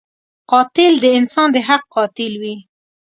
قاتل د انسان د حق قاتل وي